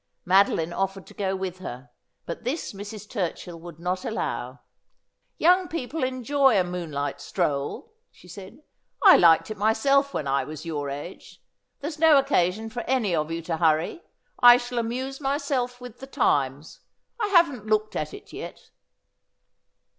Madeline ofEered to go with her, but this Mrs. Turchill would not allow. ' Young people enjoy a moonlight stroll,' she said ;' I liked it mj'self when I was your age. There's no occasion for any of you to hurry. I shall amuse myself with The Times. I haven't looked at it yet.'